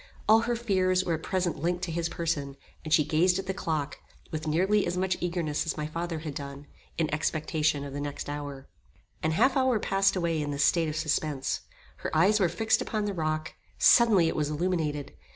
All her fears were at present linked to his person, and she gazed at the clock, with nearly as much eagerness as my father had done, in expectation of the next hour. An half hour passed away in this state of suspence. Her eyes were fixed upon the rock; suddenly it was illuminated.